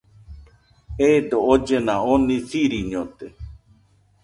Eedo ollena oni siriñote.